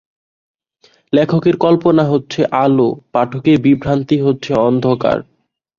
লেখকের কল্পনা হচ্ছে আলো, পাঠকের বিভ্রান্তি হচ্ছে অন্ধকার।